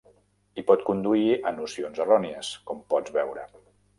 I pot conduir a nocions errònies, com pots veure.